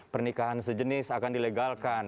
pernikahan sejenis akan dilegalkan